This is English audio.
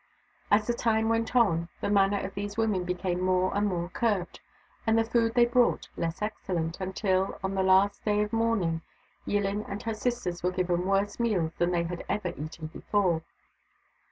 As the time went on, the manner of these women became more and more curt, and the food they brought less excellent, until, on the last day of mourning, Yillin and her sisters were given worse meals than they had ever eaten before.